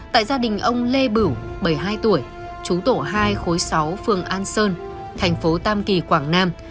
tại gia đình ông lê bửu bảy mươi hai tuổi chú tổ hai khối sáu phường an sơn thành phố tam kỳ quảng nam